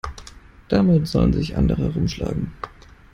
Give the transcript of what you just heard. Damit sollen sich andere herumschlagen.